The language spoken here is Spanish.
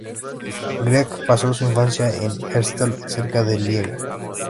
Greg pasó su infancia en Herstal, cerca de Lieja.